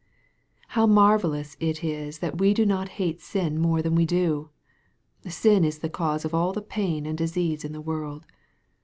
How marvellous it is that we do not hate sin more than we do ! Sin is the cause of all the pain and dis ease in the world.